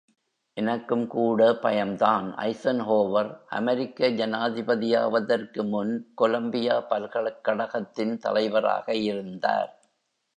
எனக்கும்கூட பயம்தான் ஐஸன்ஹோவர், அமெரிக்க ஜனாதிபதியாவதற்கு முன், கொலம்பியா பல்கலைக் கழகத்தின் தலைவராக இருந்தார்.